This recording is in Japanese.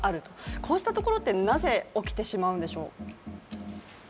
こうしたところってなぜ、起きてしまうんでしょう？